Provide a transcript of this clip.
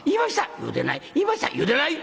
「言うてない！